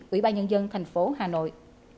ủy ban nhân dân thành phố hà nội